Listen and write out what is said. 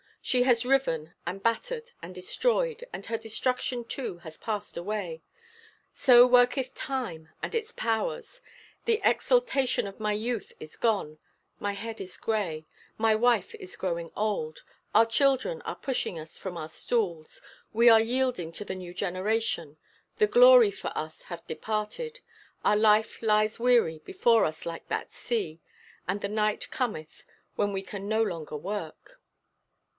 She has riven, and battered, and destroyed, and her destruction too has passed away. So worketh Time and its powers! The exultation of my youth is gone; my head is gray; my wife is growing old; our children are pushing us from our stools; we are yielding to the new generation; the glory for us hath departed; our life lies weary before us like that sea; and the night cometh when we can no longer work."